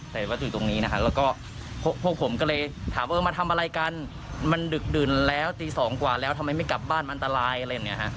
แต่ว่าอยู่ตรงนี้นะครับแล้วก็พวกผมก็เลยถามว่ามาทำอะไรกันมันดึกดื่นแล้วตี๒กว่าแล้วทำไมไม่กลับบ้านมันอันตรายอะไรอย่างนี้ฮะ